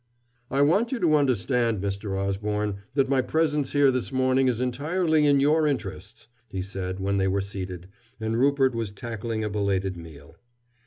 "I want you to understand, Mr. Osborne, that my presence here this morning is entirely in your interests," he said when they were seated, and Rupert was tackling a belated meal.